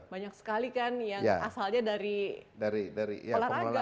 banyak sekali kan yang asalnya dari olahraga begitu loh